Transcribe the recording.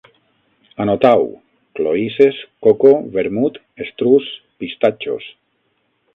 Anotau: cloïsses, coco, vermut, estruç, pistatxos